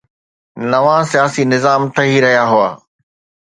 نوان سياسي نظام ٺهي رهيا هئا.